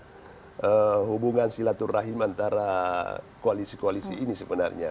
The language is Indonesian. jadi kita harus mencari hubungan silaturahim antara koalisi koalisi ini sebenarnya